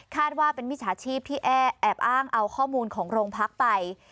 ว่าเป็นมิจฉาชีพที่แอบอ้างเอาข้อมูลของโรงพักไป